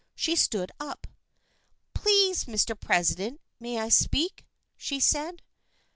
She stood up. " Please, Mr. President, may I speak ?" she said.